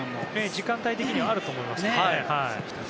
時間帯的にはあると思いますからね。